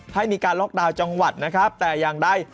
ให้มีการล็อกดาวน์จังหวัดนะครับแต่อย่างใด